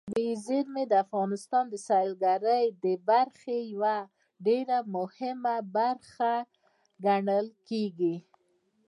طبیعي زیرمې د افغانستان د سیلګرۍ د برخې یوه ډېره مهمه برخه ګڼل کېږي.